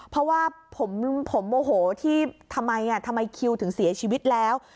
เพราะว่าผมโมโหที่ทำไมคิวถึงเสียชีวิตแล้ว